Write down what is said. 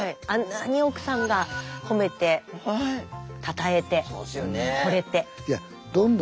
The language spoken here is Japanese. あんなに奥さんが褒めてたたえてほれて。